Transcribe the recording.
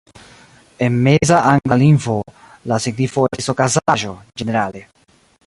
En Meza angla lingvo, la signifo estis "okazaĵo" ĝenerale.